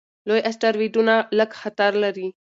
لوی اسټروېډونه لږ خطر لري.